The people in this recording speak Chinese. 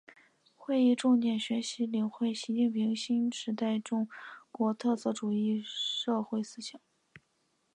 会议重点学习领会习近平新时代中国特色社会主义思想